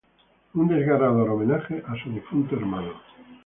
Un desgarrador homenaje a su difunto hermano.